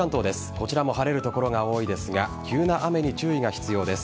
こちらも晴れる所が多いですが急な雨に注意が必要です。